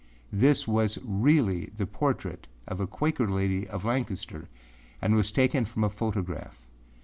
This was really the portrait of a Quaker lady of Lancaster and was taken from a photograph.